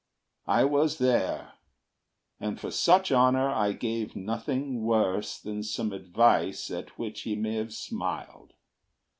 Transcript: I was there, And for such honor I gave nothing worse Than some advice at which he may have smiled.